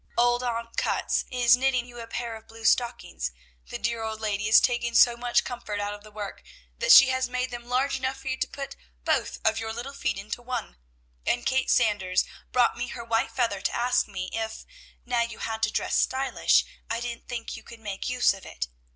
Old Aunt Cutts is knitting you a pair of blue stockings; the dear old lady is taking so much comfort out of the work, that she has made them large enough for you to put both of your little feet into one; and Kate Sanders brought me her white feather to ask me if, now you had to dress stylish, I didn't think you could make use of it.